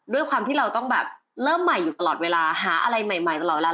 ด้วยความที่เราต้องแบบเริ่มใหม่อยู่ตลอดเวลาหาอะไรใหม่ตลอดเวลา